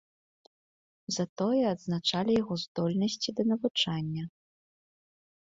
Затое адзначалі яго здольнасці да навучання.